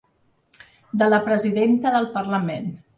De la presidenta del parlament.